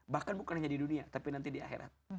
bahkan bukan hanya di dunia tapi nanti di akhirat